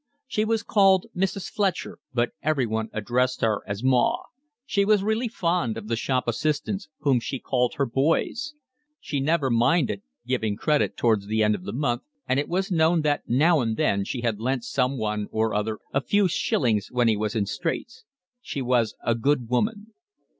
She was called Mrs. Fletcher, but everyone addressed her as 'Ma'; she was really fond of the shop assistants, whom she called her boys; she never minded giving credit towards the end of the month, and it was known that now and then she had lent someone or other a few shillings when he was in straits. She was a good woman.